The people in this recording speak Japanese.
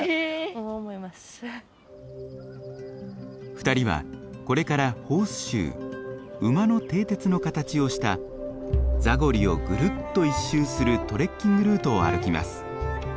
２人はこれからホースシュー馬の蹄鉄の形をしたザゴリをぐるっと一周するトレッキングルートを歩きます。